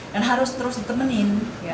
dan harus terus ditemenin